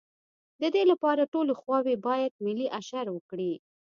د دې لپاره ټولې خواوې باید ملي اشر وکړي.